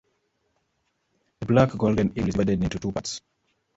The "Black Golden Eagle" is divided into two parts.